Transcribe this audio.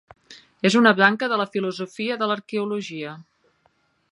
És una branca de la filosofia de l'arqueologia.